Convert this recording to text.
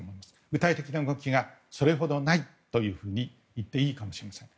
具体的な動きがそれほどないといっていいかもしれません。